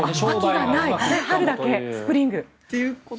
春だけにスプリング。